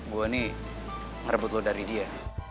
gue nih ngerebut lo dari dia